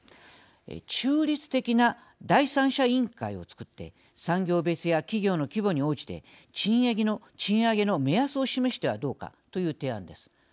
中立的な第三者委員会を作って産業別や、企業の規模に応じて賃上げの目安を示してはどうかという提案です。